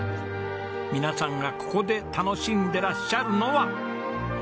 皆さんがここで楽しんでらっしゃるのは。